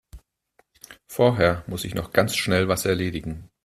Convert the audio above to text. Vorher muss ich noch ganz schnell was erledigen.